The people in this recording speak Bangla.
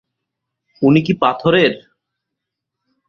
উনি কি পাথরের?